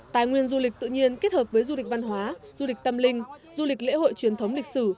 tài nguyên du lịch tự nhiên kết hợp với du lịch văn hóa du lịch tâm linh du lịch lễ hội truyền thống lịch sử